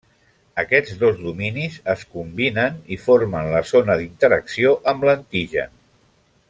Aquests dos dominis es combinen i formen la zona d'interacció amb l'antigen.